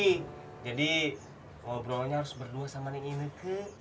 ngobrolnya harus berdua sama neng ineke